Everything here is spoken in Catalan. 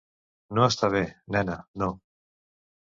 No està bé, nena, no.